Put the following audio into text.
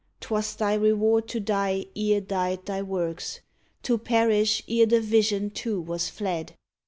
'Twas thy reward to die ere died thy works, To perish, ere the Vision too was fled.